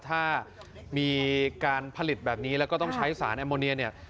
ถ้ามีการผลิตแบบนี้แล้วก็ต้องใช้สารแอมโมเนียเนี่ย